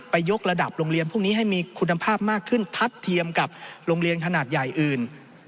ยกระดับโรงเรียนพวกนี้ให้มีคุณภาพมากขึ้นทัดเทียมกับโรงเรียนขนาดใหญ่อื่น